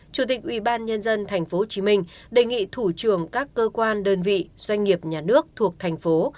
chủ tịch ubnd tp hồ chí minh đề nghị thủ trưởng các cơ quan đơn vị doanh nghiệp nhà nước thuộc thành phố